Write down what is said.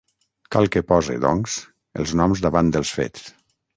Cal que pose, doncs, els noms davant dels fets.